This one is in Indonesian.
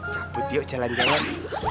cabut yuk jalan jalan